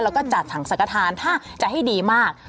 แล้วก็จัดถังสังกฐานถ้าจะให้ดีมาก